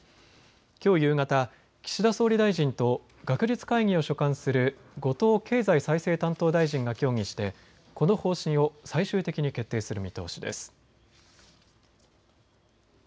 きょう夕方、岸田総理大臣と学術会議を所管する後藤経済再生担当大臣が協議してこの方針を最終的に決定する見通しです。